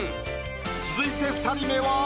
続いて２人目は。